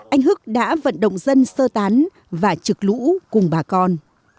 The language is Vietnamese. anh hức đã vận động dân sơ tán và trực lũ cùng bà con